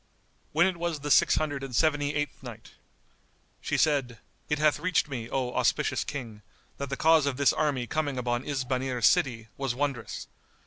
When it was the Six Hundred and Seventy eighth Night, She said, It hath reached me, O auspicious King, that the cause of this army coming upon Isbanir city was wondrous.